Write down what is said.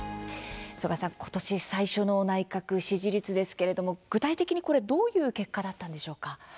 曽我さん、今年最初の内閣支持率ですけれども具体的に、これどういう結果だったんでしょうか。